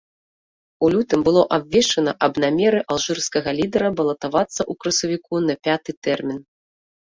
У лютым было абвешчана аб намеры алжырскага лідара балатавацца ў красавіку на пяты тэрмін.